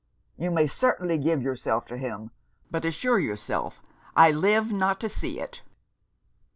you may certainly give yourself to him, but assure yourself I live not to see it!'